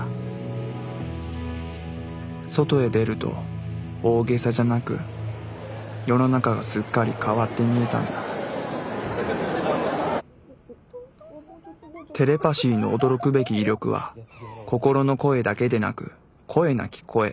外へ出ると大げさじゃなく世の中がすっかり変わって見えたんだテレパ椎の驚くべき威力は心の声だけでなく声なき声